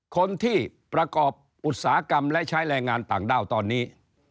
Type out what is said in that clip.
คนที่ประกอบอุตสาหกรรมและใช้แรงงานต่างด้าวตอนนี้